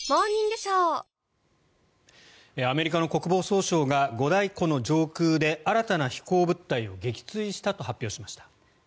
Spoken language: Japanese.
アメリカの国防総省が五大湖の上空で新たな飛行物体を撃墜したと発表しました。